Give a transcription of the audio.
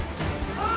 おい！